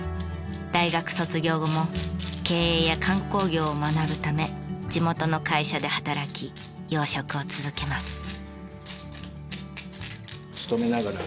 大学卒業後も経営や観光業を学ぶため地元の会社で働き養殖を続けます。